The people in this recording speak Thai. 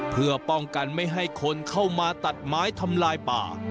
เพื่อป้องกันไม่ให้คนเข้ามาตัดไม้ทำลายป่า